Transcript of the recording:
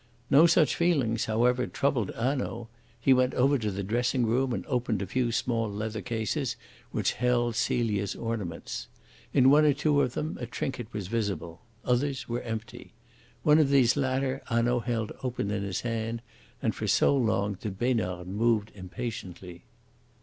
No such feelings, however, troubled Hanaud. He went over to the dressing room and opened a few small leather cases which held Celia's ornaments. In one or two of them a trinket was visible; others were empty. One of these latter Hanaud held open in his hand, and for so long that Besnard moved impatiently.